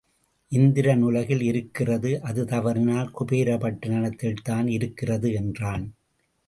இந்திரன் உலகில் இருக்கிறது அது தவறினால் குபேர பட்டணத்தில்தான் இருக்கிறது என்றான்.